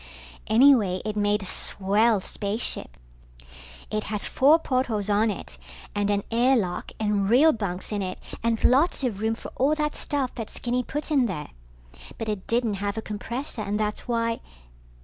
Anyway, it made a swell spaceship. It had four portholes on it and an air lock and real bunks in it and lots of room for all that stuff that Skinny put in there. But it didn't have a compressor and that's why